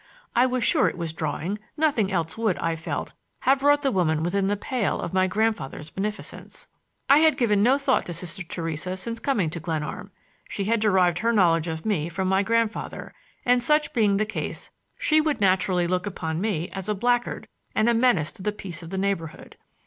I was sure it was drawing; nothing else would, I felt, have brought the woman within the pale of my grandfather's beneficence. I had given no thought to Sister Theresa since coming to Glenarm. She had derived her knowledge of me from my grandfather, and, such being the case, she would naturally look upon me as a blackguard and a menace to the peace of the neighborhood.